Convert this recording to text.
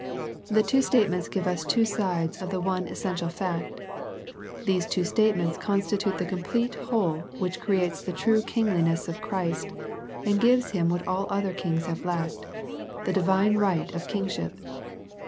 The two statements give us two sides of the one essen tial fact. These two statements constitute the complete whole which creates the true Kingli ness of Christ, and gives Him what all other kings have lacked, the Divine right of King ship.